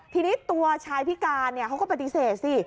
ทีนี้ตัวชายพิการเขาก็ปฏิเสธสิ